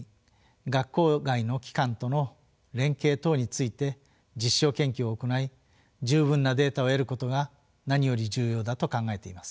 学校外の機関との連携等について実証研究を行い十分なデータを得ることが何より重要だと考えています。